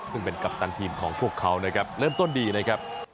ซึ่งเป็นกัปตันทีมของพวกเขานะครับเริ่มต้นดีนะครับ